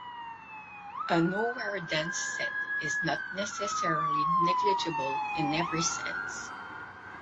A nowhere dense set is not necessarily negligible in every sense.